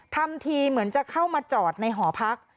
ทำทีเหมือนจะเข้ามาจอดในหอพัก